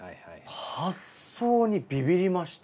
発想にビビりました。